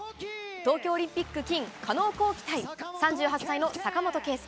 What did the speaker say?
東京オリンピック金、加納虹輝対、３８歳の坂本圭右。